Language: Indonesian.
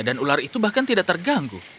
dan ular itu bahkan tidak terganggu